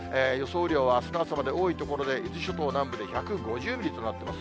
雨量は、あすの朝まで多い所で、伊豆諸島南部で１５０ミリとなってます。